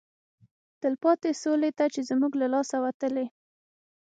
تلپاتې سولې ته چې زموږ له لاسه وتلی